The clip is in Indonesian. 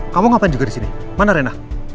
kamu ngapain juga disini mana reina